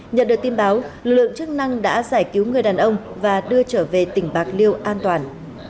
nhận được tin báo lượng chức năng đã giải cứu người đàn ông và đưa trở về tỉnh bạc liêu an toàn